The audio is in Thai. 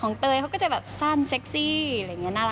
เตยเขาก็จะแบบสั้นเซ็กซี่อะไรอย่างนี้น่ารัก